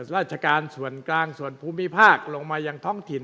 ราชการส่วนกลางส่วนภูมิภาคลงมายังท้องถิ่น